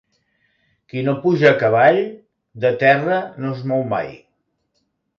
Qui no puja a cavall, de terra no es mou mai.